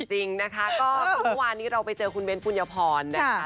จริงนะคะก็เมื่อวานนี้เราไปเจอคุณเบ้นปุญญพรนะคะ